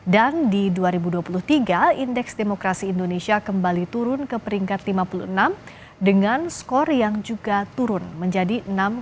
dan di dua ribu dua puluh tiga indeks demokrasi indonesia kembali turun ke peringkat lima puluh enam dengan skor yang juga turun menjadi enam lima puluh tiga